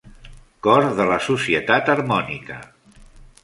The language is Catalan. Cor de la societat harmònica